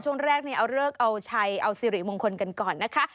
ช่วงแรกเอาเลิกเอาชัยเอาสิริมงคลกันก่อนนะคะ